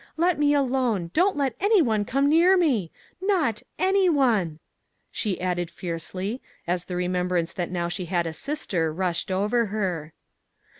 Let me alone, don't let any one come near me. Not any one! " she added, fiercely, as the remembrance that now she had a sister rushed over her.